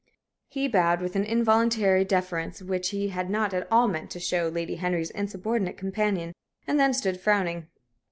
He bowed, with an involuntary deference which he had not at all meant to show to Lady Henry's insubordinate companion, and then stood frowning.